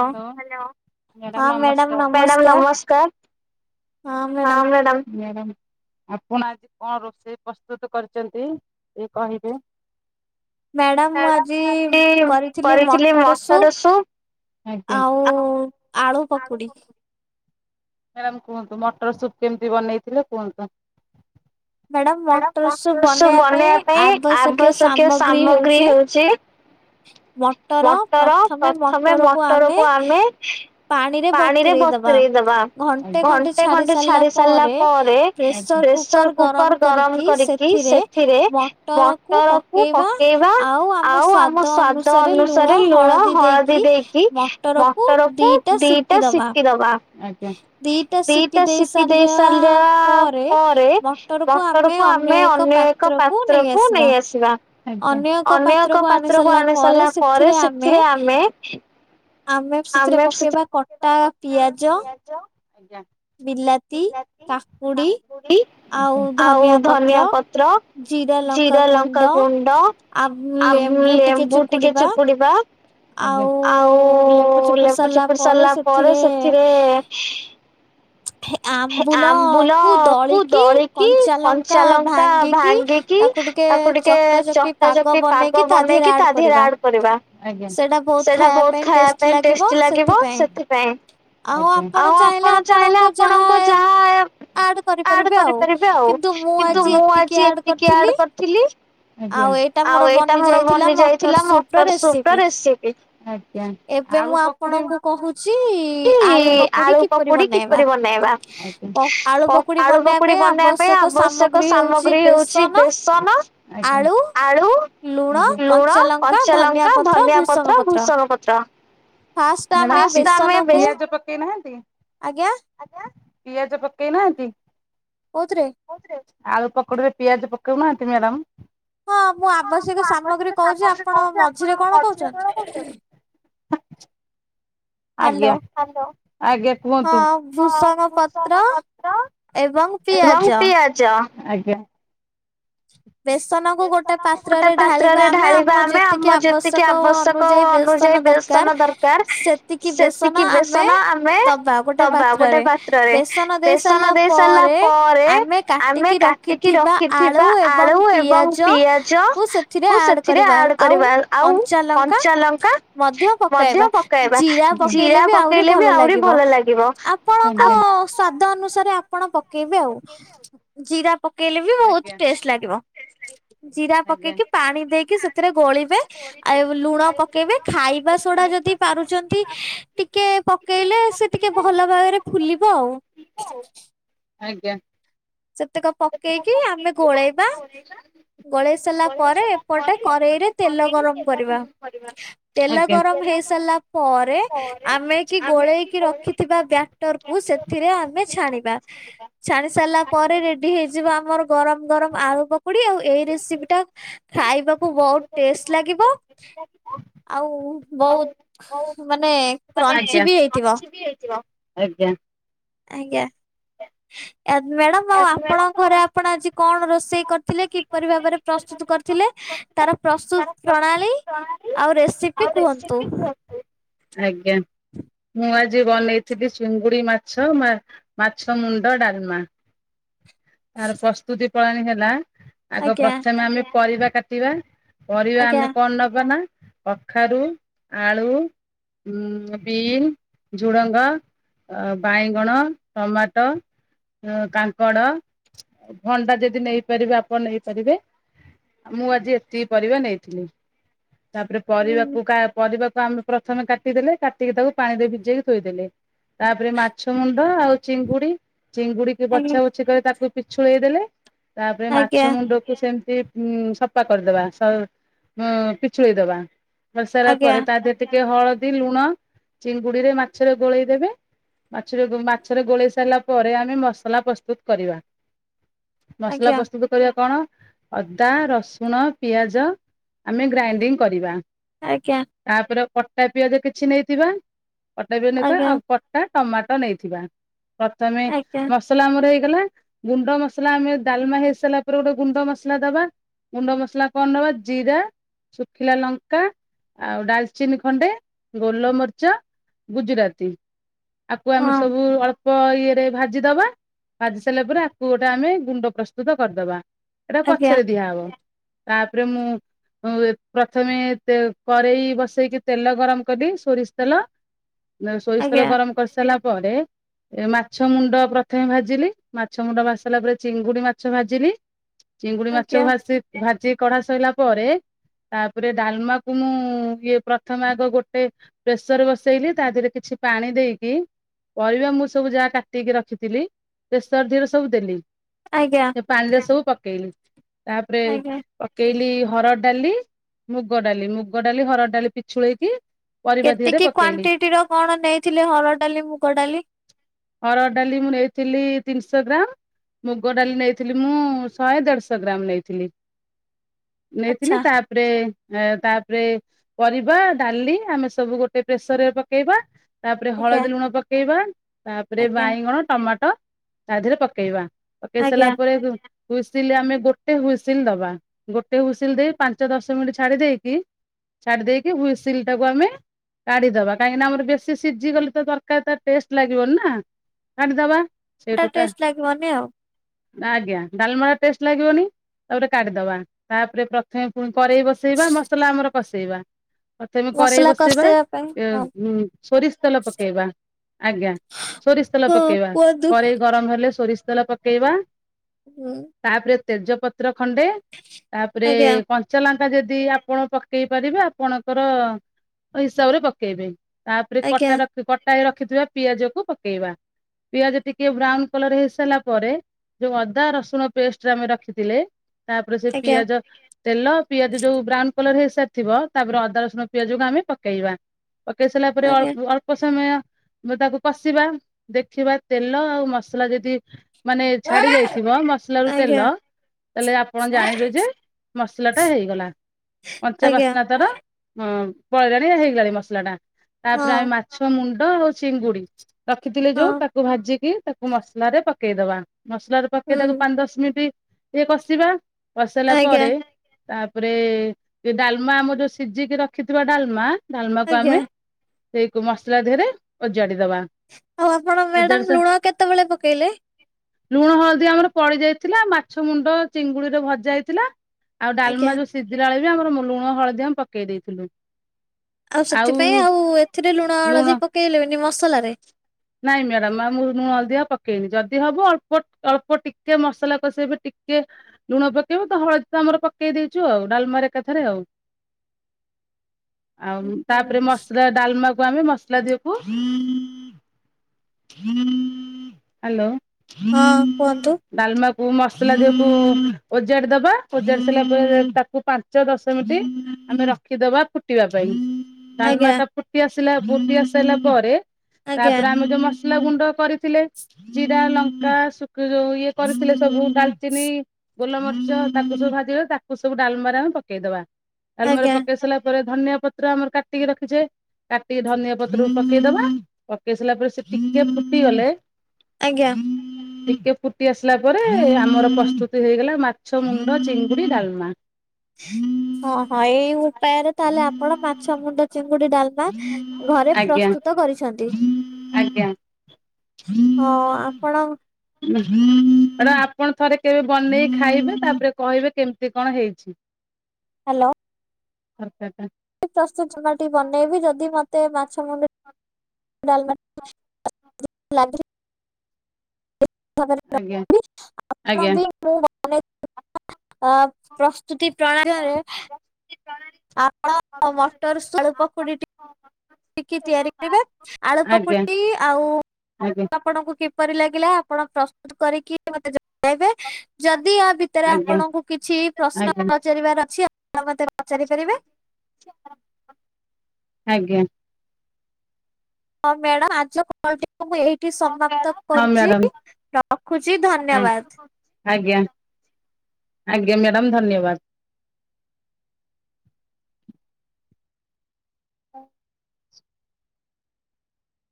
Hello hello madam ନମସ୍କାର madam ନମସ୍କାର। ହଁ ମ୍ୟାଡ଼ାମ୍ ମ୍ୟାଡ଼ାମ୍। ଆପଣ ଆଜି କଣ ରୋଷେଇ ପସ୍ତୁତ କରିଛନ୍ତି କେ କହିବେ? ମ୍ୟାଡ଼ାମ ମୁଁ ଆଜି କରିଥିଲି ମଟର ସୁପ୍। ଆଉ ଆଳୁ ପକୁଡ଼ି। ମ୍ୟାଡ଼ାମ କୁହନ୍ତୁ ମଟର ସୁପ୍ କେମିତି ବନେଇଥିଲେ କୁହନ୍ତୁ? ମାଡ଼ାମ ମଟର ସୁପ୍ ବନେଇବା ପାଇଁ ଆବଶ୍ୟକୀୟ ସାମଗ୍ରୀ ହଉଛି ମଟର ପ୍ରଥମେ ମଟରକୁ ଆମେ ପାଣିରେ ବତୁରେଇ ଦବା। ଆ ଘଣ୍ଟେ ଖଣ୍ଟେ ଛାଡ଼ି ସାରିଲା ପରେ ଆ ପ୍ରେସର କୁକର ଗରମ କରିକି ସେ ସେଥିରେ ମଟରକୁ ପକେଇବା ଆଉ ଆମ ସ୍ଵାଦ ଅନୁସାରେ ଲୁଣ ହଳଦୀ ଦେଇକି ମଟରକୁୁ ଦିଟା ସିଟି ଦବା। ଦିଟା ଶିଟି ଦେଇ ସାରିଲା ପରେ ବଟରକୁ ଆମେ ଅନ୍ୟ ଏକ ପାତ୍ରକୁ ନେଇ ଆସିବା। ଆଜ୍ଞା ଅନ୍ୟ ଏକ ପାତ୍ରକୁ ଆଣି ସାରିଲା ପରେ ସେଥିରେ ଆମେ ଆମେ ସେଥିରେ ପକେଇବା କଟା ପିଆଜ। ଜ ଆଜ୍ଞା। ବିଲାତି କାକୁଡ଼ି ଆଉ ଧନିଆ ପତ୍ର। ଜିରା ଲଙ୍କା ଗୁଣ୍ଡ ଆ ଲେମ୍ବୁ ଟିକେ ଚିପୁଡ଼ିବା। ଆଜ୍ଞା ଆଉ ଲେମ୍ବୁ ଚିପୁଡ଼ି ସାରିଲା ପରେ ସେଥିରେ ଆମ୍ବୁଲ କୁ ଦଳିକି କଞ୍ଚାଲଙ୍କା ଭାଙ୍ଗି କି ତାକୁ ଟିକେ ଚଟା ଚଟି ପାଗ ବନେଇକି ତା ଦେହରେ ଆଡ଼୍ କରିବା। ଆଜ୍ଞା ସେଟା ବହୁତ ଖାଆ ପାଇଁ ଟେଷ୍ଟି ଲାଗିବ ସେଥିପାଇଁ। ଆଜ୍ଞା ଆଉ ଆପଣ ଚାହିଁଲେ ଆପଣଙ୍କ ଯାହା ଆଡ଼େ କରିପାରିବେ ଆଉ କିନ୍ତୁ ମୁଁ ଆଜି ଏତିକି ଆଡ଼ କରିଥିଲି। ଆଜ୍ଞା ଆଉ ଏଇଟା ମୋର ବନି ଯାଇଥିଲା ମଟର ସୁପ ର ରେସିିପି। ଜ୍ଞା ଆଳୁ ପକୁଡ଼ି ଲି ଆଳୁ ପକୁଡ଼ିକି ବନେଇବା ଆଜ୍ଞା ପ ଆଳୁ ପକୁଡ଼ି ବନେଇବା ପାଇଁ ଆବଶ୍ୟକ ସାମଗ୍ରୀ ହଉଛି ବେଶ ସନ ଆଜ୍ଞା ଆଳୁ ଆଜ୍ଞା ଲୁଣ କଞ୍ଚାଲଙ୍କା ଧନିଆ ପତ୍ର ଭୂଷଣ ପତ୍ର। ଫାଷ୍ଟ ଆମେ ବେଶ୍, ପିଆଜ ପକେଇ ନାହାନ୍ତି? ଆଜ୍ଞା ଆଜ୍ଞା, ପିଆଜ ପକେଇ ନାହାନ୍ତି? କାଉଥିରେ? ଆଳୁ ପକଡାରେ ପିଆଜ ପକଉନାହାନ୍ତି ମ୍ୟାଡ଼ାମ? ହଁ ମୁଁ ଆବଶ୍ୟକ ସାମଗ୍ରୀ କହୁଛି ଆପଣ ମଝିରେ କଣ କହୁଛନ୍ତି? ଆଜ୍ଞା ହାଲୋ ଆଜ୍ଞା କୁହନ୍ତୁ, ହଁ ଭୃସଙ୍ଗ ପତ୍ର। ଏବଂ ପିଆଜ। ଚ ଆଜ୍ଞା। ବେସନକୁ ଗୋଟେ ପାତ୍ରରେ ଢାଳିବା ଆମେ, ଆମ ଯେତିକି ଆବଶ୍ୟକ ଅନୁଯାୟୀ ବେସନ ଦର ଦର ସେତିକି ବେସନ ଆମେ ଦବା, ଗୋଟେ ପାତ୍ରରେ। ବେସନ ଦେଇ ସାରିଲା ପରେ, ଆମେ କାଟିକି ରଖିଥିବା ଆଳୁ ଏବଂ ପି ପିଆଜକୁ ସେଥିରେ ଆଡ କରିବା, ଆଉ କଞ୍ଚା ଲଙ୍କା ମଧ୍ୟ ପକେଇବା, ଜିରା ପକେଇଲେ ବି ଆହୁରି ଭଲ ଲାଗିବ, ଆପଣଙ୍କ ସ୍ଵାଦ ଅନୁସାରେ ଆପଣ ପକେଇବେ ଆଉ, ଜିରା ପକେଇଲେ ବି ବହୁତ ଟେଷ୍ଟ ଲାଗ ଜିରା ପକେଇକି, ପାଣି ଦେଇକି, ସେଥିରେ ଗୋଳିବେ ଆଉ ଲୁଣ ପ ପକେଇବେ, ଖାଇବା ସଡା ଯଦି ପାରୁଛନ୍ତି, ଟିକେ ପକେଇଲେ ସେ ଟିକେ ଭଲ ଭାବରେ ଫୁଲିବ ଆଉ। କୋଉ ଆଜ୍ଞା ସେତକ ପକେଇକି, ଆମେ ଗୋଳେଇବା, ଗୋଳେଇ ସାରିଲା ପରେ ଏପଟେ କରେଇରେ ତେଲ ଗରମ କରିବା, ତେଲ ଗରମ ହେଇ ସାରିଲା ପରେ ଆମେ କି ଗୋଳେଇକି ରଖିଥିବା, ବ୍ୟାଟରକୁୁ ସେଥିରେ ଆମେ ଛାଣିବା। ଛାଣି ସରିଲା ପରେ ରେଡି ହେଇଯିବ ଆମର ଗରମ ଗରମ ଆଳୁ ପକୁଡି ଆଉ ଏଇ ରେସିପି ଟା ଖାଇବାକୁ ବହୁତ ଟେଷ୍ଟ ଲାଗିବ। ଆଉ ବହୁତ ମାନେ କ୍ରଞ୍ଚି ବି ହେଇଥିବ। ବି ହେଇଥିବ। ଆଜ୍ଞା ଆଜ୍ଞା ମ୍ୟାଡାମ ଆଉ ଆପଣଙ୍କ ଘରେ ଆପଣ ଆଜି କଣ ରୋଷେଇ କରିଥିଲେ? କିପରି ଭାବରେ ପ୍ରସ୍ତୁତ କରିଥିଲେ? ତାର ପ୍ରସ୍ତୁତ ପ୍ରଣାଳୀ, ଆଉ ରେସିପି କୁହନ୍ତୁ? ଆଜ୍ଞା ମୁଁ ଆଜି ବନେଇଥିଲି ଚିଙ୍ଗୁଡି ମାଛ, ମା-ମାଛ ମୁଣ୍ଡ, ଡାଲମା। ତାର ପ୍ରସ୍ତୁତି ପ୍ରଣାଳୀ ହେଲା, ଆଗ ପ୍ରଥମେ ଆମେ ପରିବା କାଟିବା। ପରିବା ଆମେ କଣ ନବା ନା କଖାରୁ, ଆଳୁ। ଉଁ ବିନ୍, ଝୁଡ଼ଙ୍ଗ, ବାଇଗଣ, ଟମାଟୋ। କାଙ୍କଡ ଭଣ୍ଡା ଯଦି ନେଇପାରିବେ ଆପଣ ନେଇପାରିବେ ମୁଁ ଆଜି ଏତିକି ପରିବା ନେଇଥିଲି ତାପରେ ପରିବାକୁ କା ପରିବାକୁ ଆମେ ପ୍ରଥମେ କାଟିଦେଲେ କାଟିକି ତାକୁ ପାଣି ଦେଇ ଭିଜେଇକି ଥୋଇଦେଲେ ତାପରେ ମାଛ ମୁଣ୍ଡ ଆଉ ଚିଙ୍ଗୁଡି ଚିଙ୍ଗୁଡି ଟିକେଏ ବଛା ବଛି କରି ତାକୁ ପିଛୁଳେଇ ଦେଲେ ତାପରେ ମାଛ ମୁଣ୍ଡ ସେମତି ଉ ସଫା କରିଦବା ପିଛୁଳେଇଦବା କରିସାରିଲା ପରେ ତା ଦେହରେ ଟିକେ ହଳଦୀ, ଲୁଣ ଚିଙ୍ଗୁଡିରେ, ମାଛରେ ଗୋଳେଇଦେବେ ମାଛରେ ମାଛରେ ଗୋଳେଇ ସାରିଲା ପରେ ଆମେ ମସ ମସଲା ପ୍ରସ୍ତୁତ କରିବା, ମସଲା ପ୍ରସ୍ତୁତ କରିବା କଣ ଅଦା, ରସୁଣ, ପିଆଜ ଆମେ ଗ୍ରାଇଣ୍ଡିଙ୍ଗ କରିବା ଆଜ୍ଞା ତାପରେ କଟା ପିଆଜ କିଛି ନେଇଥିବା, କଟା ପିଆଜ ନେଇଥିବା ଆଉ ଟମାଟୋ ନେଇଥିବା ପ୍ରଥମେ ମସଲା ଆମର ହେଇଗଲା, ଗୁଣ୍ଡ ମସଲା ଆମେ, ଡାଲମା ହେଇ ସାରିଲା ପରେ ଗୋଟେ ଗୁଣ୍ଡ ମସଲା ଦବା। ଗୁଣ୍ଡ ମସଲା କଣ ନେବା ଜିରା ଶୁଖିଲା ଲଙ୍କା ଆଉ ଡାଲଚିନି ଖଣ୍ଡେ ଗୋଲମରିଚ। ଗୁଜୁରାତି ଆକୁ ଆମେ ସବୁ ଅଳ୍ପ ଇଏରେ ଭା ଜି ଦବା ଭାଜି ସାରିଲା ପରେ ଆକୁ ଗୋଟେ ଆମେ ଗୁଣ୍ଡ ପ୍ରସ୍ତୁତ କରିଦବା। ଏଇଟା ପଛରେ ଦିଆହବ ତାପରେ ମୁଁ ଏ ପ୍ରଥମେ ତେ କରେଇ ବସେଇକି ତେଲ ଗରମ କରିବି ସୋରିଷ ତେଲ। ସୋରିଷେଲ ଗରମ କରିସାରିଲା ପରେ ଏ ମାଛ ମୁଣ୍ଡ। ପ୍ରଥମେ ଭାଜିଲି ମାଛ ମୁଣ୍ଡ ଭାଜି ସଇଲା ପରେ ଚିଙ୍ଗୁଡି ମାଛ ଭାଜିଲି ଚିଙ୍ଗୁଡି ମାଛକୁ ଭାସି ଭାଜି କଢା ସଇଲା ପରେ ତାପରେ ଡାଲମାକୁ ମୁଁ ଇଏ ପ୍ରଥମ ଆଗ ଗୋଟେ ପ୍ରେସର ବସେଇଲି ତା ଦେହରେ କିଛି ପାଣି ଦେଇକି ପରିବା ମୁଁ ସବୁ ଯାହା କାଟିକି ରଖି ଥିଲି ପ୍ରେସର ଦେହରେ ସବୁ ଦେଲି। ଆଜ୍ଞା। ପାଣିରେ ସବୁ ପକେଇଲି ତାପରେ ପକେଇଲି ହରଡ଼ ଡାଲି ମୁଗ ଡାଲି ମୁଗ ଡାଲି ହରଡ଼ ଡାଲି ପିଛୁଳେଇକି କେତିକି କ୍ଵାଣ୍ଟିଟିର କଣ ନେଇଥିଲେ ହରଡ଼ ଡାଲି ମୁଗ ଡାଲି। ହର ଡାଲି ମୁଁ ନେଇଥିଲି ତିନିଶହ ଗ୍ରାମ। ମୁଗ ଡାଲି ନେଇଥିଲି ମୁଁ ଶହେ ଦେଢଶହ ଗ୍ରାମ ନେଇଥିଲି। ନେଇଥିଲି ତାପରେ ତାପରେ ପରିବା ଡାଲି ଆମେ ସବୁ ଗୋଟେ ପ୍ରେସରରେ ପକେଇବା। ତାପରେ ହଳଦୀ ଲୁଣ ପକେଇବା ତାପରେ ବାଇଗଣ ଟମାଟୋ ତା ଦେହରେ ପକେଇବା। ପକେଇ ସାରିଲା ପରେ ଦୁ ହୁଇସିଲ ଆମେ ଗୋଟେ ହୁଇସିଲ ଦବା ଗୋଟେ ହୁଇସିଲ ଦେଇ ପାଞ୍ଚ ଦଶ ମିନିଟ୍ ଛାଡି ଦେଇକି ଛାଡି ଦେଇେଇକି ହୁଇସିଲ ଟାକୁ ଆମେ କାଢିଦେବା କାହିଁକିନା ଆମର ବେଶୀ ସିଝି ଗଲେ ତ ତରକାରୀ ତ ଟେଷ୍ଟ ଲାଗିବନି ନା। କାଢ଼ୀଦବା ସେଇ ଟୋଟା ଆଜ୍ଞା ଡାଲମାଟା ଟେଷ୍ଟ ଲାଗିବନି ତାପରେ କାଢିଦବା ତାପରେ ପ୍ର ପୁଣି କରେଇ ବସେଇବା ମସଲା ଆମର କଷେଇବା। ପ୍ରଥମେ କରେଇ ବସେଇବା ସୋରିଷ ତେଲ ପକେଇବା ଆଜ୍ଞା। ସୋରିଷ ତେଲ ପକେଇବା କରେଇ ଗରମ ହେଲେ ସୋରିଷ ତେଲ ପକେଇବା। ହୁଁ। ତାପରେ ତେଜପତ୍ର ଖଣ୍ଡେ ତାପରେ କ ଚାଲଙ୍କା ଯଦି ଆପଣ ପକେଇ ପାରିବେ ଆପଣଙ୍କର ହିସାବ ରେ ପକେଇବେ। ତାପରେ କଟା ରଖି କଟା ହେଇ ରଖିଥିବା ପିଆଜ କୁ ପକେଇବା। ପିଆଜ ଟିକେ ବ୍ରାଉନ କଲର ହେଇସାରିଲା ପରେ ଯୋଉ ଅଦା ରସୁଣ ପେଷ୍ଟରେ ଆମେ ରଖିଥିଲେ ତାପରେ ସେ ପିଆଜ ତେଲ ପିଆଜ ଯୋଉ ବ୍ରାଉନ କଲର ହେଇସାରିଥିବ ତାପରେ ଅଦା ରସୁଣ ପିଆଜକୁ ଆମେ ପକେଇବା। ପକେଇ ସାରିଲା ପରେ ଅଳ ଅଳ୍ପ ସମୟ ତାକୁ କଷିବା। ଦେଖିବା ତେଲ ଆଉ ମସଲା ଯଦି ମାନେ ଛାଡି ଯାଇଥିବ ମସଲାରୁ ତେଲ ତାହେଲେ ଆପଣ ଜାଣିବେ ଯେ ମସଲା ଟା ହେଇଗଲା କଞ୍ଚା ବାସ୍ନା ତାର ପଳେଇଲାଣି ହେଇଗଣି ମସଲା ଟା। ତାପରେ ଆମେ ମାଛ ମୁଣ୍ଡ ଆଉ ଚିଙ୍ଗୁଡି ରଖିଥିଲେ ଯୋଉ ତାକୁ ଭାଜିକି ତାକୁ ସବୁ ମସଲା ରେ ପକେଇଦବା ମସଲାରେ ପକେଇ ତାକୁ ପାଞ୍ଚ ଦଶ ମିନିଟ ଟିକେ କଷିବା। କରିସାଇଲା ପରେ ତାପରେ ଡାଲମା ଆମର ଯୋଉ ସିଯେଇକି ରଖିଥିବା ଡାଲମା ଡାଲମାକୁ ଆମେ ଡେଇକୁ ମସଲା ଦେହରେ ଓଜାଡି ଦବା। ଆଉ ଆପଣ ମ୍ୟାଡାାମ ଲୁଣ କେତେବେଳେ ପକେଇଲେ? ଲୁଣ ହଳଦୀ ଆମର ପଡି ଯାଇଥିଲା ମାଛ ମୁଣ୍ଡ ଚିଙ୍ଗୁଡିରେ ଭଜା ହେଇଥିଲା। ଆଉ ଡାଲମା ଯୋଉ ସିଝିଲା ବେଳେ ବି ଆମର ଲୁଣ ହଳଦି ଆମେ ପକେଇ ଦେଇଥିଲୁ। ଆଉ ସେଥିପାଇଁ ଆଉ ଏଥିରେ ଲୁଣ ହଳଦୀ ପକେଇଲେନି ମସଲାରେ। ନାଇଁ ମ୍ୟାଡାମ ଆଉ ମୁଁ ଲୁଣ ହଳଦିଆ ପକେଇନି ଯଦି ହବ ଅଳ୍ପ ଅଳ୍ପ ଟିକେ ମସଲା କଷେଇବା ପାଇଁ ଟିକେ। ଲୁଣ ପକେଇବ ତ ହଳଦୀ ତ ଆମର ପକେଇ ଦେଇେଚୁ ଆଉ ଡାଲମାରେ ଏକାଥାରେ ଆଉ। ଆଉ ତାପରେ ମସଲା ଡାଲମାକୁ ଆମେ ମସଲା ଦେବୁ। ହାଲୋ। ହଁ କୁହନ୍ତୁ। ଡାଲମାକୁ ମସଲା ଦେହକୁ ଓଜାଡି ଦବା ଓଜାଡି ସିରିଲା ପରେ ତାକୁ ପାର୍ ପାଞ୍ଚ ଦଶମୀଣ୍ଟି ଆମେ ରଖିଦବା ଫୁଟିବା ପାଇଁ। ଡାଲ୍ମାଟା ଫୁଟିଆସିଲା ବୁଲି ଆସିସାରିଲା ପରେ ତାପରେ ଆମେ ଯୋଉ ମସ ମସଲା ଗୁଣ୍ଡ କରିଥିଲେ ଜିରା ଲଙ୍କା ସୁକ୍ ଯୋଉ ଇଏ କରିଥିଲେ ସବୁ। ଡାଲଚିନି ଗୋଲମରିଚ ତାକୁ ସବୁ ଭାଜି ରଖ୍ ତାକୁ ସବୁ ଡାଲମାରେ ଆମେ ପକେଇଦବା। ଡାଲମାରେ ପକେଇ ସାରିଲା ପରେ ଧନିଆ ପତ୍ ପତ୍ର ଆମର କାଟିକି ରଖିଛେ କାଟିକି ଧନିଆ ପତ୍ରକୁ ପକେଇଦବା। ପକେଇ ସାରିଲା ପରେ ସେ ଟିକେ ଫୁଟିଗଲେ ଟିକେ ଫୁଟ୍ ଫୁଟି ଆସିଲା ପରେ ଆମର ପ୍ରସ୍ତୁତି ହେଇଗଲା ମାଛ ମୁଣ୍ଡ ଚିଙ୍ଗୁଡି ଡାଲମା। ହଁ ହଁ ଏଇ ଉପାୟରେ ତାହେଲେ ଆପଣ ମାଛ ମୁଣ୍ଡ ଚିଙ୍ଗୁଡି ଡାଲମା ଘରେ ପ୍ରସ୍ତୁତ କରିଛନ୍। ଦେ ହଁ ଆପଣଙ୍କ ଏଟା ଆପଣ ଥରେ କେବେ ବନେଇକି ଖାଇବେ ତାପରେ କହିବେ କେମିତି କଣ ହେଇଛି। ହାଲୋ। ତରକାରିଟା। ପ୍ରସ୍ତୁତ [unintelligible] ବନେଇବି ଯଦି ମତେ ମାଛମୁଣ୍ଡ ଡାଲମା [unintelligible] ଲାଗ ଏପରି ଭାବରେ କରିବି ଆପଣବି [unintelligible] ପ୍ରସ୍ତୁତି ପ୍ରଣାଳି ଭାବେ [inaudible] ଆପଣ ମଟର ଆଳୁପକୁଡି ଟିକେ [unintelligible] ଟିକି ତିଆରି କରିବେ ଆଳୁ ପକୁଡି ଟି ଆଉ ଆପଣଙ୍କୁ କିପରି ଲାଗିଲା ଆପଣ ପ୍ରସ୍ତୁତ କରିକି ମତେ ଜଣେଇବେ ଯଦି ଆ ଭିତରେ ଆପଣଙ୍କୁ କିଛି ପ୍ରଶ୍ନ ପଚାରିବାର ଅଛି ଆପଣ ମତେ ପଚାରି ପାରିବେ। ଆଜ୍ଞା। ହଁ ମ୍ୟାଡ଼ାମ ଆଜିର କଲ୍ ଟିକୁ ମୁଁ ଏଇଠି ଏଇଠି ସମାପ୍ତ କରୁଚି ରଖୁଛି ଧନ୍ୟବାଦ। ଆଜ୍ଞା ଆଜ୍ଞା ମ୍ୟାଡ଼ାମ ଧନ୍ୟବାଦ। [inaudible]